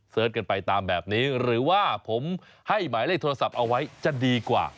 กันไปตามแบบนี้หรือว่าผมให้หมายเลขโทรศัพท์เอาไว้จะดีกว่า